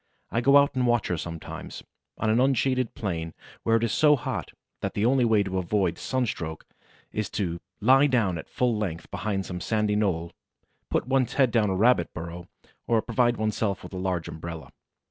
I go out and watch her sometimes on an unshaded plain where it is so hot that the only way to avoid sunstroke is to lie down at full length behind some sandy knoll, put one's head down a rabbit burrow, or provide one's self with a large umbrella.